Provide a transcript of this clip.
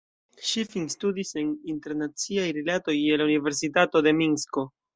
Ŝi finstudis en internaciaj rilatoj je la Universitato de Minsko.